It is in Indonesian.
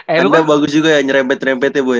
eh lu kan bagus juga ya nyerempet nyerempet ya bu ya